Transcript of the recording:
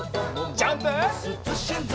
ジャンプ！